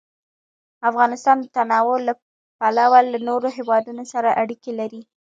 افغانستان د تنوع له پلوه له نورو هېوادونو سره اړیکې لري.